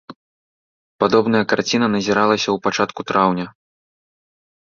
Падобная карціна назіралася ў пачатку траўня.